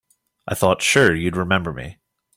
I thought sure you'd remember me.